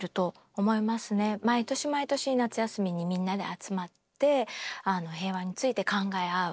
毎年毎年夏休みにみんなで集まって平和について考え合う。